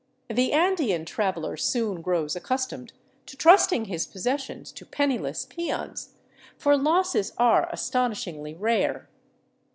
The Andean traveler soon grows accustomed to trusting his possessions to penniless peons, for losses are astonishingly rare.